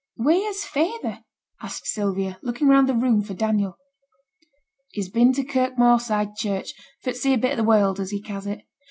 'Wheere's feyther?' said Sylvia, looking round the room for Daniel. 'He's been to Kirk Moorside Church, for t' see a bit o' th' world, as he ca's it.